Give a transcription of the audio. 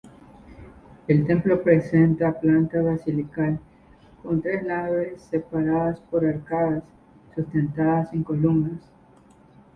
El templo presenta planta basilical, con tres naves separadas por arcadas sustentadas en columnas.